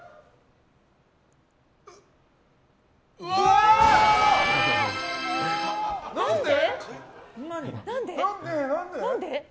うわー！何で？